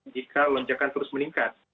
jika lonjakan terus meningkat